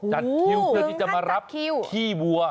หูกรึคือที่จะมารับขี้บัว